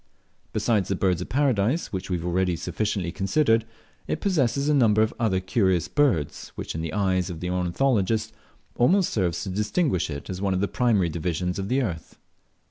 Besides the Birds of Paradise, which we have already sufficiently considered, it possesses a number of other curious birds, which in the eyes of the ornithologist almost serves to distinguish it as one of the primary divisions of the earth.